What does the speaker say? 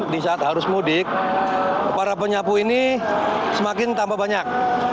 di saat harus mudik para penyapu ini semakin tambah banyak